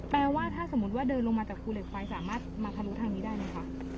ว่าถ้าสมมุติว่าเดินลงมาจากภูเหล็กไฟสามารถมาทะลุทางนี้ได้ไหมคะ